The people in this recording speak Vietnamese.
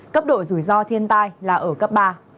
cấp độ rủi ro thiên tai là ở cấp ba